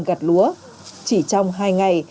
gặt lúa chỉ trong hai ngày